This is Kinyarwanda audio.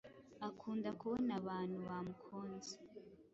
Akunda kubona abantu bamukunze,